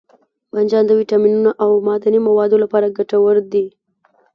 بانجان د ویټامینونو او معدني موادو لپاره ګټور دی.